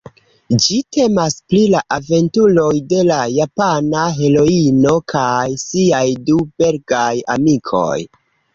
Ĝi temas pri la aventuroj de la Japana heroino kaj siaj du belgaj amikoj.